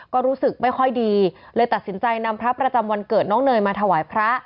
ก็รู้สึกไม่ค่อยดีเลยตัดสินใจนำพระประจำวันเกิดน้องเนยมาถวายพระ